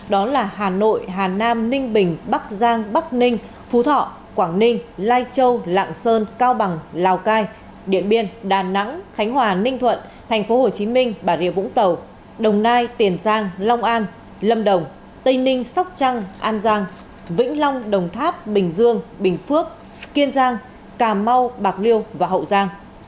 đó là hà nội hà nam ninh bình bắc giang bắc ninh phú thọ quảng ninh lai châu lạng sơn cao bằng lào cai điện biên đà nẵng khánh hòa ninh thuận thành phố hồ chí minh bà rìa vũng tàu đồng nai tiền giang long an lâm đồng tây ninh sóc trăng an giang vĩnh long đồng tháp bình dương bình phước kiên giang cà mau bạc liêu và hậu giang